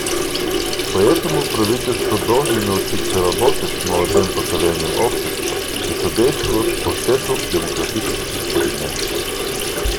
Поэтому правительства должны научиться работать с молодым поколением общества и содействовать процессу демократических перемен.